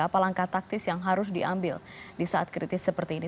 apa langkah taktis yang harus diambil di saat kritis seperti ini